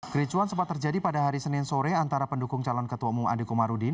kericuan sempat terjadi pada hari senin sore antara pendukung calon ketua umum adekomarudin